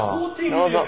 どうぞ。